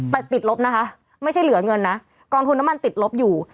แต่ติดลบนะคะไม่ใช่เหลือเงินนะกองทุนน้ำมันติดลบอยู่